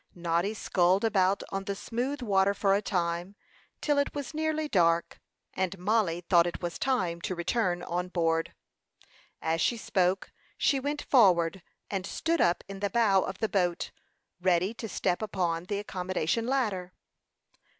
Noddy sculled about on the smooth water for a time, till it was nearly dark, and Mollie thought it was time to return on board. As she spoke, she went forward and stood up in the bow of the boat, ready to step upon the accommodation ladder.